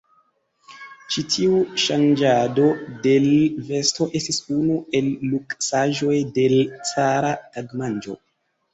Ĉi tiu ŝanĝado de l' vesto estis unu el luksaĵoj de l' cara tagmanĝo.